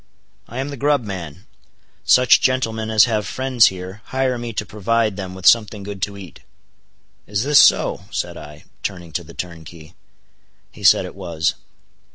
"I am the grub man. Such gentlemen as have friends here, hire me to provide them with something good to eat." "Is this so?" said I, turning to the turnkey. He said it was.